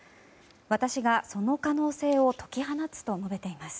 私がその可能性を解き放つと述べています。